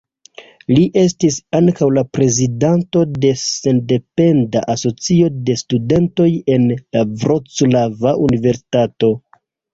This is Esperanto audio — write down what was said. Li estis ankaŭ la prezidanto de Sendependa Asocio de Studentoj en la Vroclava Universitato.